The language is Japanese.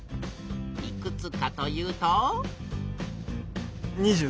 いくつかというとお！